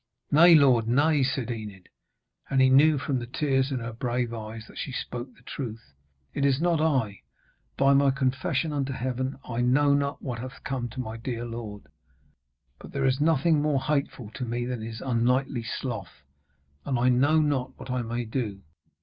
'Nay, lord, nay,' said Enid, and he knew from the tears in her brave eyes that she spoke the truth. 'It is not I, by my confession unto Heaven! I know not what hath come to my dear lord. But there is nothing more hateful to me than his unknightly sloth! And I know not what I may do.